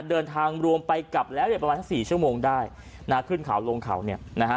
เดินทางรวมไปกลับแล้วประมาณ๔ชั่วโมงได้ขึ้นขาวลงขาวเนี่ยนะฮะ